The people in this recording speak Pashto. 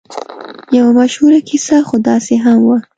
یوه مشهوره کیسه خو داسې هم وه.